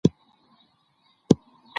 هغه د مستو په خوړلو بوخت دی.